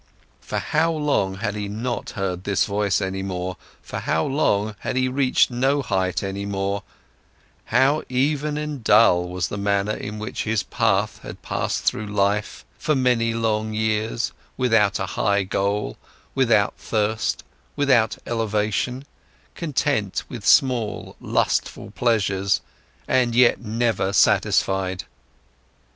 For how long had he not heard this voice any more, for how long had he reached no height any more, how even and dull was the manner in which his path had passed through life, for many long years, without a high goal, without thirst, without elevation, content with small lustful pleasures and yet never satisfied!